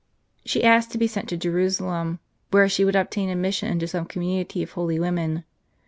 She asked to be sent to Jerusalem, where she would obtain admission into some community of holy women.